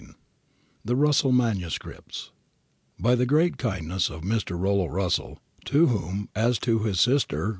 APPENDIX A THE RUSSELL MANUSCRIPTS By the great kindness of Mr. Rollo Russell, to whom, as to his sister.